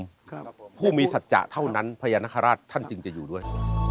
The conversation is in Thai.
ครับผู้มีสัจจะเท่านั้นพญานาคาราชท่านจึงจะอยู่ด้วย